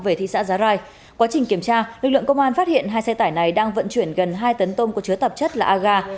quá trình kiểm tra lực lượng công an phát hiện hai xe tải này đang vận chuyển gần hai tấn tôm có chứa tạp chất là a ga